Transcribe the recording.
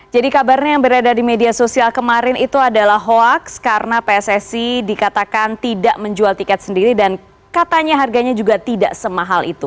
jadi kabarnya yang berada di media sosial kemarin itu adalah hoax karena pssc dikatakan tidak menjual tiket sendiri dan katanya harganya juga tidak semahal itu